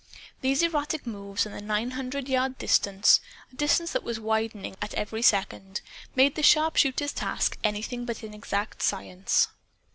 These erratic moves, and the nine hundred yard distance (a distance that was widening at every second) made the sharpshooters' task anything but an exact science.